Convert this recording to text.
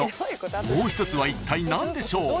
［もう一つはいったい何でしょう？］